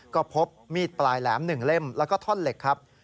ก็พบมีดปลายแหลม๑เล่มแล้วก็ท่อนเหล็กครับ